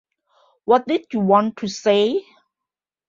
What did you want to say?